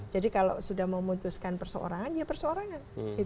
jadi kalau sudah memutuskan persoarangan ya persoarangan